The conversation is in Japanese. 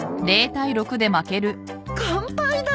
完敗だ。